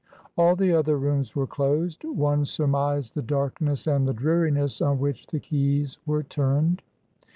All the other rooms were closed ; one surmised the darkness and the dreariness on which the keys were turned.